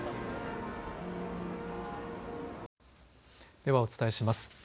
ではお伝えします。